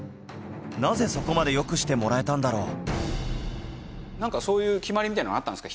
なぜそこまでよくしてもらえたんだろう？なんかそういう決まりみたいなのがあったんですか？